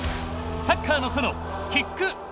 「サッカーの園」キックオフ！